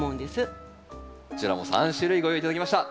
こちらも３種類ご用意頂きました。